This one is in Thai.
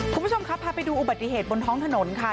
คุณผู้ชมครับพาไปดูอุบัติเหตุบนท้องถนนค่ะ